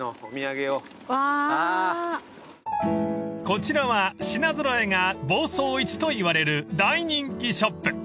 ［こちらは品揃えが房総一といわれる大人気ショップ］